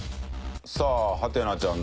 さあはてなちゃん